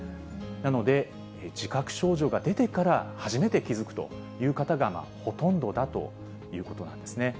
なので、自覚症状が出てから初めて気付くという方がほとんどだということなんですね。